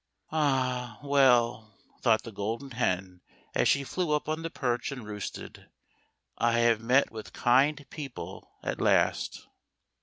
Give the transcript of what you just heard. "Ah, well," thought the Golden Hen, as she flew up on the perch and roosted, " I have met with kind people at last."